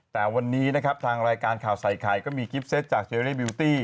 แต่วันนี้นะครับทางรายการข่าวใส่ไข่ก็มีกิฟเซตจากเชอรี่บิวตี้